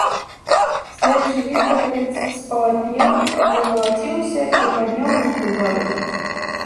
Следчы гітлеравец спалатнеў, закалаціўся і падняў рукі ўгару.